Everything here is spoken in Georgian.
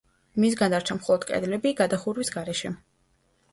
მისგან დარჩა მხოლოდ კედლები გადახურვის გარეშე.